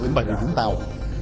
lĩnh bà nghị vũng tàu